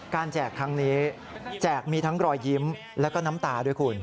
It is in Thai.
แจกครั้งนี้แจกมีทั้งรอยยิ้มแล้วก็น้ำตาด้วยคุณ